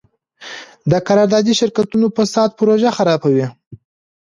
د قراردادي شرکتونو فساد پروژه خرابوي.